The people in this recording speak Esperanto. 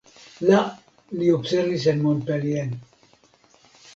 La li observis en Montpellier.